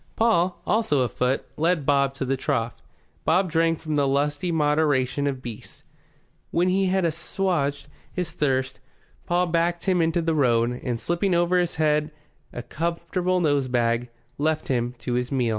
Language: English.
Paul, also afoot, led Bob to the trough. Bob drank with the lusty moderation of beasts. When he had assuaged his thirst Paul backed him into the road and, slinging over his head a comforting nosebag, left him to his meal.